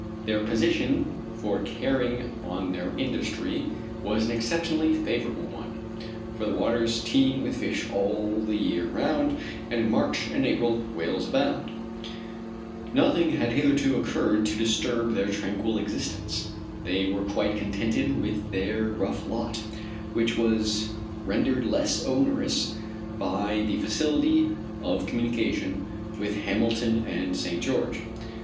Their position for carrying on their industry was an exceptionally favorable one, for the waters teem with fish all the year round, and in March and April whales abound. Nothing had hitherto occurred to disturb their tranquil existence. They were quite contented with their rough lot, which was rendered less onerous by the facility of communication with Hamilton and St. George.